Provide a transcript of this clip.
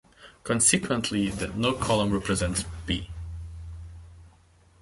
Consequently, no column represents "B".